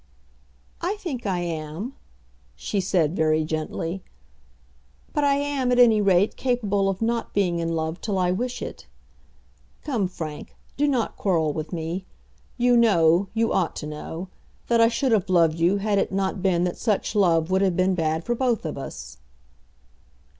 "I think I am," she said, very gently. "But I am at any rate capable of not being in love till I wish it. Come, Frank; do not quarrel with me. You know, you ought to know, that I should have loved you had it not been that such love would have been bad for both of us."